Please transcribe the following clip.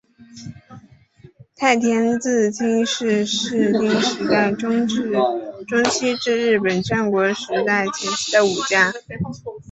太田资清是室町时代中期至日本战国时代前期的武将。